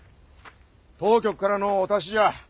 当局からのお達しじゃあ。